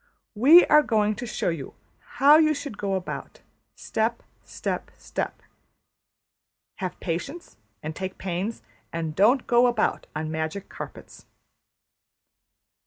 We are going to show you how \emph{you} should go about: step, step, step. Have patience, and take pains; and don't go about on magic carpets.''